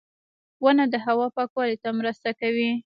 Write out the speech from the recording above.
• ونه د هوا پاکوالي ته مرسته کوي.